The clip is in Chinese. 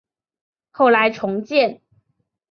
后来重建。